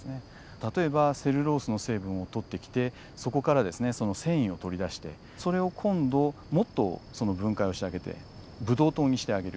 例えばセルロースの成分を取ってきてそこから繊維を取り出してそれを今度もっと分解をしてあげてブドウ糖にしてあげる。